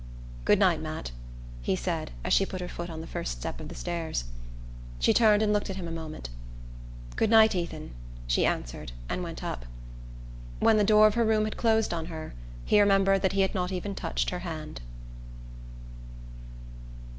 "Good night, Matt," he said as she put her foot on the first step of the stairs. She turned and looked at him a moment. "Good night, Ethan," she answered, and went up. When the door of her room had closed on her he remembered that he had not even touched her hand.